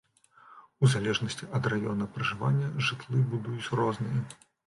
У залежнасці ад раёна пражывання жытлы будуюць розныя.